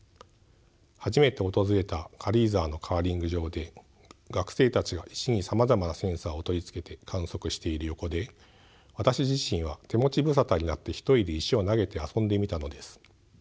初めて訪れた軽井沢のカーリング場で学生たちが石にさまざまなセンサーを取り付けて観測している横で私自身は手持ち無沙汰になって一人で石を投げて遊んでみたのです。